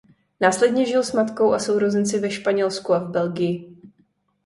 Následně žil s matkou a sourozenci ve Španělsku a v Belgii.